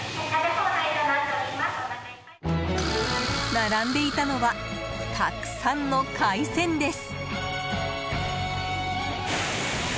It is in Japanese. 並んでいたのはたくさんの海鮮です。